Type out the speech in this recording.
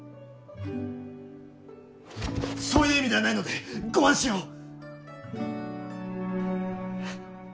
そういう意味ではないのでご安心を！